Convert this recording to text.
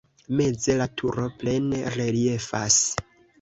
Meze la turo plene reliefas.